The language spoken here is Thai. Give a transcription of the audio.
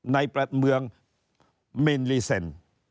ในประเมืองมีนรีเซล